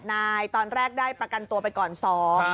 ทั้ง๘นายตอนแรกได้ประกันตัวไปก่อนซ้อน